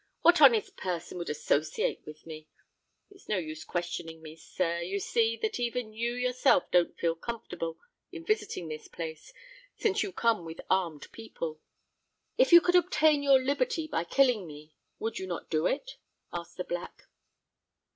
what honest person would associate with me? It's no use questioning me, sir: you see that even you yourself don't feel comfortable in visiting this place, since you come with armed people." "If you could obtain your liberty by killing me, would you not do it?" asked the Black.